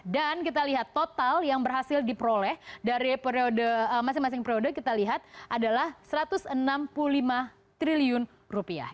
dan kita lihat total yang berhasil diperoleh dari masing masing periode kita lihat adalah satu ratus enam puluh lima triliun rupiah